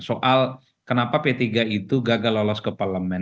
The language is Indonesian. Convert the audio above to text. soal kenapa p tiga itu gagal lolos ke parlemen